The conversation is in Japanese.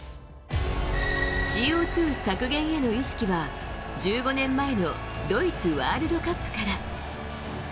ＣＯ２削減への意識は１５年前のドイツワールドカップから。